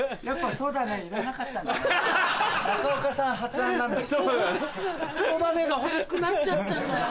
「そだね」が欲しくなっちゃったんだよ。